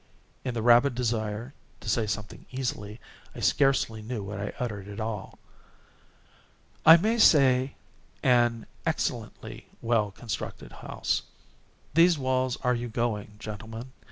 (In the rabid desire to say something easily, I scarcely knew what I uttered at all.)—"I may say an excellently well constructed house. These walls—are you going, gentlemen?